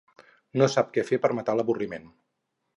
No sap què fer per matar l'avorriment.